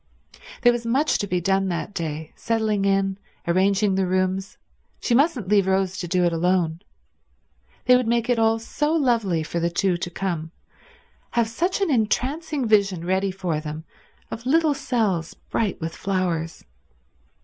There was much to be done that day, settling in, arranging the rooms; she mustn't leave Rose to do it alone. They would make it all so lovely for the two to come, have such an entrancing vision ready for them of little cells bright with flowers.